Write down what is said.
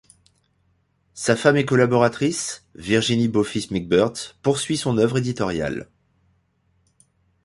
Sa femme et collaboratrice, Virginie Beaufils-Micberth, poursuit son œuvre éditoriale.